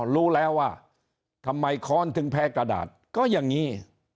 รู้แล้วว่าทำไมค้อนถึงแพ้กระดาษก็อย่างนี้